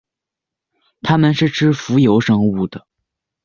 它们是吃浮游生物的。